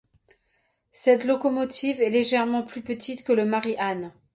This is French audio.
Cette locomotive est légèrement plus petite que le Mary Ann.